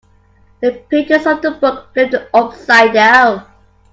The pages of the book flipped upside down.